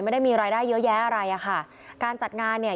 ไม่ได้มีรายได้เยอะแยะอะไรอ่ะค่ะการจัดงานเนี่ย